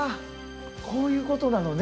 こういうことなのね。